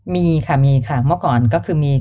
มีค่ะมีค่ะเมื่อก่อนก็คือมี